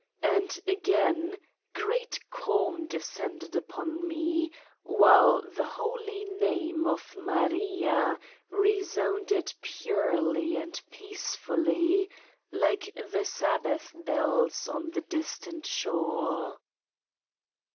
And, again, great calm de scended upon me, while the holy name of Maria resounded purely and peacefully, like the Sabbath bells on the distant shore.